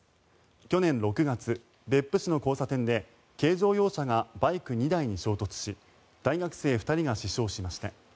去年６月、別府市の交差点で軽乗用車がバイク２台に衝突し大学生２人が死傷しました。